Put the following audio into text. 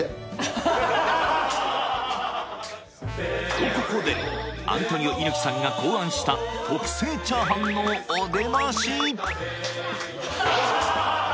とここでアントニオ猪木さんが考案した特製炒飯のお出まし！